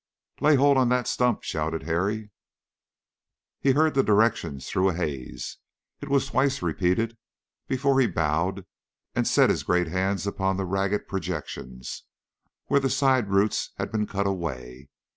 "Lay hold on that stump," shouted Harry. He heard the directions through a haze. It was twice repeated before he bowed and set his great hands upon the ragged projections, where the side roots had been cut away.